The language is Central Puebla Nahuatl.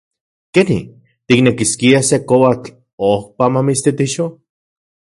¡Keni! ¿tiknekiskia se koatl ojpa mamitstitixo?